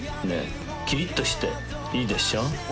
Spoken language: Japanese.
キリッとしていいでしょ？